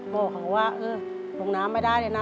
บอกเขาว่าเออลงน้ำไม่ได้เลยนะ